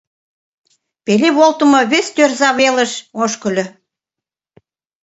Пеле волтымо вес тӧрза велыш ошкыльо.